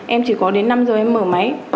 em chỉ có đến năm giờ em mở máy